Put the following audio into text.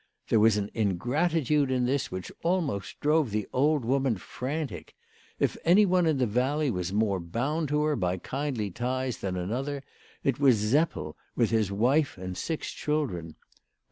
There was an ingratitude in this which almost drove the old woman frantic. If any one in the valley was more bound to her by kindly ties than another, it was Seppel, with his wife and six children.